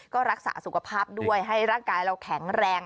ก็รักษาสุขภาพด้วยให้ร่างกายเราแข็งแรง